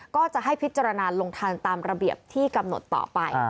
ก็จะให้พิจารณาลงทันตามระเบียบที่กำหนดต่อไป